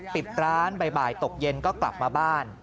ปิดร้านบ่ายตกเย็นก็กลับมาบ้าน